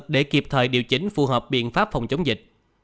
để kịp thời điều chỉnh phù hợp biện pháp phòng chống dịch